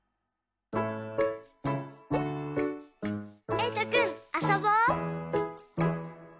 えいとくんあそぼ！